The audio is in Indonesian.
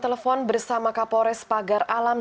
telepon bersama kapolres pagar alam